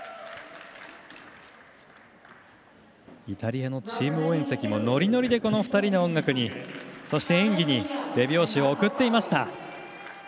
イタリアのチーム応援席もノリノリで２人の音楽にそして演技に手拍子を送っていました。